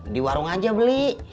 di warung aja beli